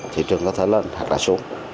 thị trường có thể lên hoặc là xuống